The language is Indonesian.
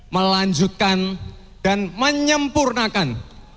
melanjutkan dan menyempurnakan